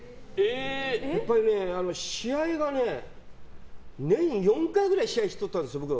やっぱりね、試合が年４回くらい試合してたんです、僕。